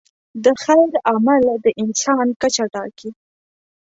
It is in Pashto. د خیر عمل د انسان کچه ټاکي.